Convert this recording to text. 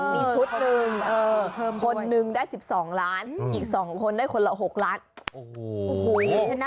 มีชุดหนึ่งคนหนึ่งได้๑๒ล้านอีก๒คนได้คนละ๖ล้าน